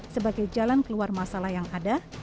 sebagai jalan keluar masalah yang ada